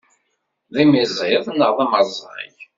D imiziḍ neɣ d amerẓag?